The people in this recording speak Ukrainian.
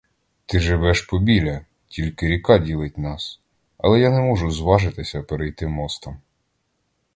Ти живеш побіля, тільки ріка ділить нас, але я не можу зважитися перейти мостом.